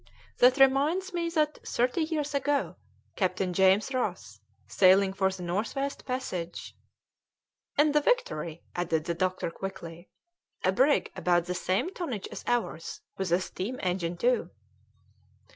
That reminds me that thirty years ago Captain James Ross, sailing for the North West passage " "In the Victory," added the doctor quickly, "a brig about the same tonnage as ours, with a steam engine too."